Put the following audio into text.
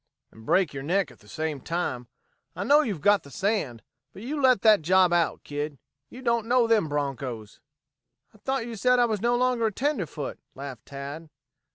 "And break your neck at the same time. I know you've got the sand, but you let that job out, kid. You don't know them bronchos." "I thought you said I was no longer a tenderfoot," laughed Tad.